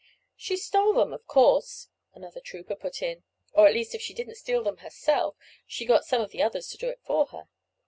"She stole them, of course," another trooper put in, "or at least if she didn't steal them herself she got some of the others to do it for her.